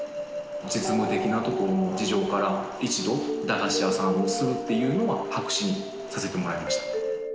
実務的なところの事情から一度駄菓子屋さんをするっていうのは白紙にさせてもらいました。